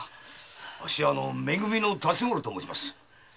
め組の辰五郎と申します。